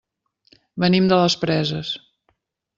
Venim de les Preses.